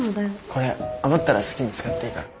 これ余ったら好きに使っていいから。